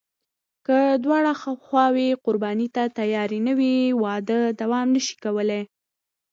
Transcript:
که دواړه خواوې قرباني ته تیارې نه وي، واده دوام نشي کولی.